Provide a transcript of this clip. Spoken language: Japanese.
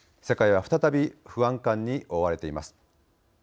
世界は再び不安感に覆われています。